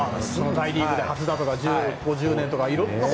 大リーグで初だとか５０年で初だとか。